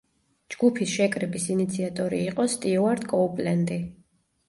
ჯგუფის შეკრების ინიციატორი იყო სტიუარტ კოუპლენდი.